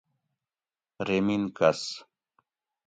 ریمین کس